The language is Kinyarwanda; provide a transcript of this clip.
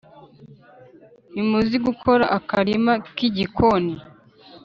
ntimuzi gukora akarima k’igikoni